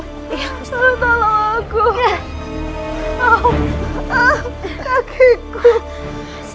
ustaz berulalazim ibu unda